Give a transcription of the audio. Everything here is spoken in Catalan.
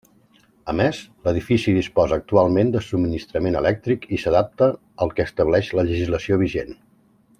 A més, l'edifici disposa actualment de subministrament elèctric i s'adapta al que estableix la legislació vigent.